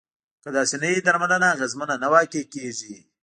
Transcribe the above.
که داسې نه وي درملنه اغیزمنه نه واقع کیږي.